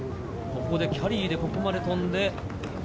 キャリーでここまで飛んで。